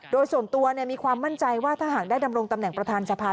โดยส่วนตัวมีความมั่นใจว่าถ้าหากได้ดำรงตำแหน่งประธานสภา